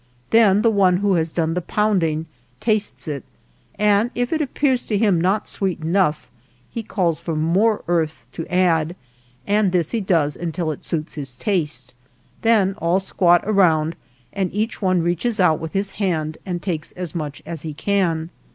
Then the one who has done the pounding tastes it, and if it appears to him not sweet enough he calls for more earth to add, and this he does until it suits his taste. Then all squat around and every one reaches out with his hand and takes as much as he can.